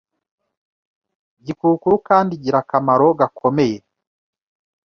Gikukuru kandi igira akamaro gakomeye